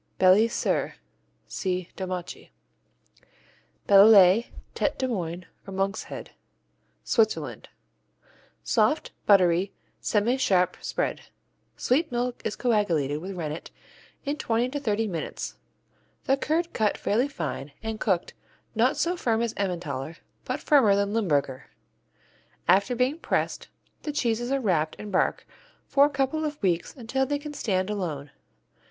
Beli Sir see Domaci. Bellelay, Tête de Moine, or Monk's Head Switzerland Soft, buttery, semisharp spread. Sweet milk is coagulated with rennet in twenty to thirty minutes, the curd cut fairly fine and cooked not so firm as Emmentaler, but firmer than Limburger. After being pressed, the cheeses are wrapped in bark for a couple of weeks until they can stand alone.